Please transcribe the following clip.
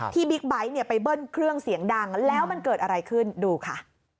บิ๊กไบท์เนี่ยไปเบิ้ลเครื่องเสียงดังแล้วมันเกิดอะไรขึ้นดูค่ะ